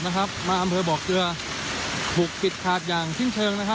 มาอำเภอบอกเกลือบุกปิดขาดอย่างสิ้นเชิง